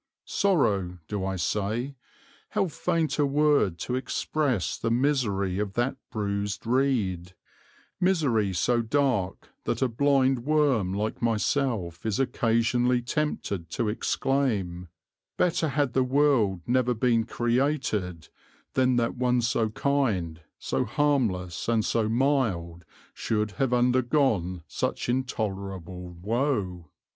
Sorrow! do I say? How faint a word to express the misery of that bruised reed; misery so dark that a blind worm like myself is occasionally tempted to exclaim, Better had the world never been created than that one so kind, so harmless, and so mild, should have undergone such intolerable woe!